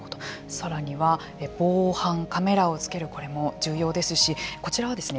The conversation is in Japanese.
さらには防犯カメラをつけるこれも重要ですしこちらはですね